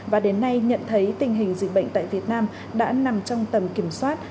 và đến nay nhận thấy tình hình dịch bệnh tại việt nam đã nằm trong tầm kiểm soát